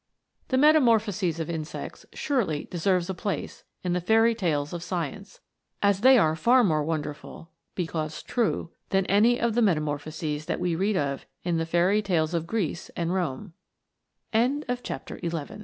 The metamorphoses of insects surely deserve a place in the fairy tales of Science, as they are far more wonderful, because true, than any of the metamorphoses that we read of in the fairy tales o